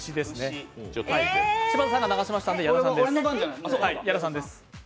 柴田さんが流しましたので矢田さんです。